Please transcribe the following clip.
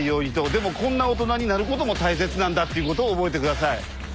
でもこんな大人になることも大切なんだってことを覚えてください。